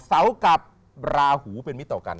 เสากับราหูเป็นมิตรต่อกัน